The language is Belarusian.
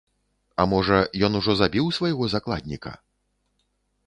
А можа, ён ужо забіў свайго закладніка!?